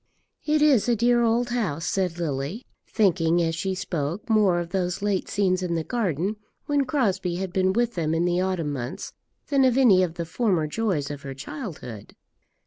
"It is a dear old house," said Lily, thinking, as she spoke, more of those late scenes in the garden, when Crosbie had been with them in the autumn months, than of any of the former joys of her childhood.